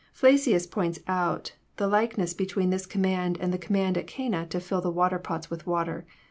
Flacius points out the likeness between this command and the command at Cana to fill the water ^ots with water.